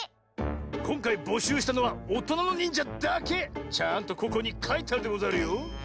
こんかいぼしゅうしたのはおとなのにんじゃだけ！ちゃんとここにかいてあるでござるよ。